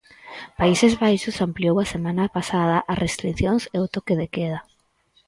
Países Baixos ampliou a semana pasadas as restricións e o toque de queda.